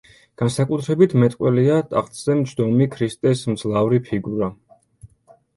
განსაკუთრებით მეტყველია ტახტზე მჯდომი ქრისტეს მძლავრი ფიგურა.